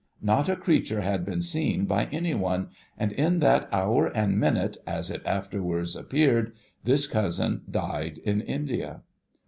Not a creature had been seen by any one ; and in tliat hour and minute, as it afterwards appeared, this cousin died in India.